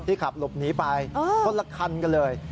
ขับหลบหนีไปคนละคันกันเลย